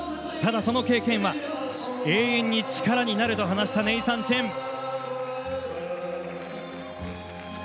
ただ、その経験は永遠に力になると話したネイサン・チェン。